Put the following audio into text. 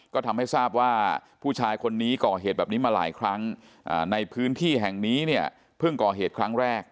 ก็ทำให้ทราบว่าผู้ชายคนนี้ก่อเหตุแบบนี้มาหลายครั้งในพื้นที่แห่งนี้เนี่ยเพิ่งก่อเหตุครั้งแรก